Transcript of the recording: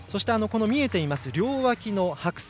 見えています、両脇の白線。